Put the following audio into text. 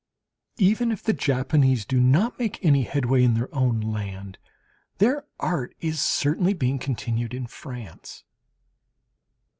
Even if the Japanese do not make any headway in their own land, their art is certainly being continued in France.